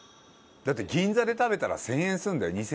だって銀座で食べたら１０００円するんだよ。